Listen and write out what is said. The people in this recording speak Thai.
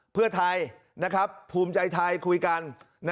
เพื่อไทยภูมิใจไทยคุยกัน